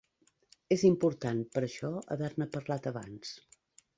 És importat, per això, haver-ne parlat abans.